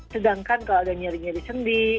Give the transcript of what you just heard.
sedangkan kalau ada nyeri nyeri sendi